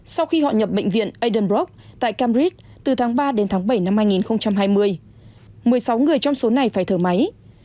sau khi họ nhập bệnh viện adenbroc tại camris từ tháng ba đến tháng bảy năm hai nghìn hai mươi một mươi sáu người trong số này phải thở máy